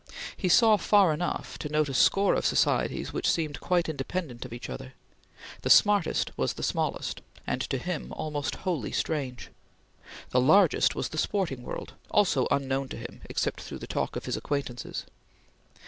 He saw far enough to note a score of societies which seemed quite independent of each other. The smartest was the smallest, and to him almost wholly strange. The largest was the sporting world, also unknown to him except through the talk of his acquaintances.